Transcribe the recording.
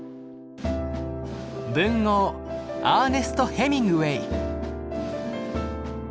文豪アーネスト・ヘミングウェイ。